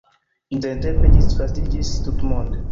Intertempe ĝi disvastiĝis tutmonde.